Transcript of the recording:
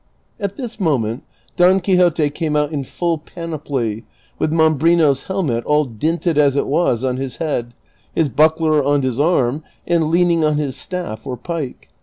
At this moment Don Quixote came out in full panoply, with Mambrino's helmet, all dinted as it was, on his head, his buckler on his arm, and leaning on his staff or pike.